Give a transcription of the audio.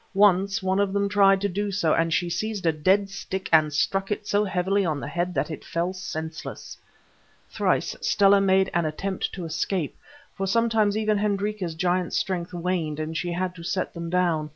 Once one of them tried to do so, and she seized a dead stick and struck it so heavily on the head that it fell senseless. Thrice Stella made an attempt to escape, for sometimes even Hendrika's giant strength waned and she had to set them down.